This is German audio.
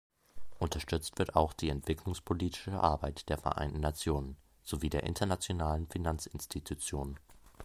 Unterstützt wird auch die entwicklungspolitische Arbeit der Vereinten Nationen sowie der Internationalen Finanzinstitutionen.